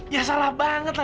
ya salah banget lah